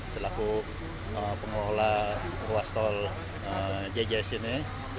selaku pengelola ruas tol jjs ini